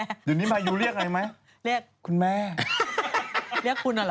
อยู่นี้มายูเรียกอะไรมั้ยคุณแม่เรียกคุณหรอ